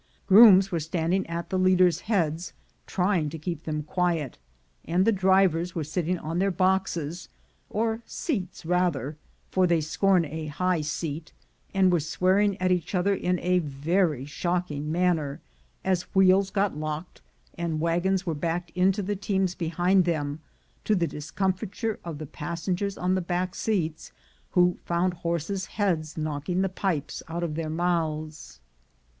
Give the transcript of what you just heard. Grooms were standing at the leaders' heads, trying to keep them quiet, and the drivers were sit ting on their boxes, or seats rather, for they scorn a high seat, and were swearing at each other in a very shocking manner, as wheels got locked, and wagons were backed into the teams behind them, to the dis comfiture of the passengers on the back seats, who found horses' heads knocking the pipes out of their mouths.